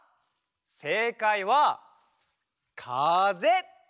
せいかいはかぜ。